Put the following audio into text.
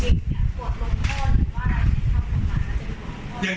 หรือว่าแทนเคลาปัญหาจะรวมโทษ